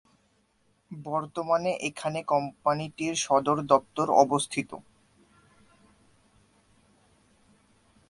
বর্তমানে এখানে কোম্পানিটির সদর দপ্তর অবস্থিত।